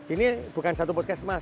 ini bukan satu poskesmas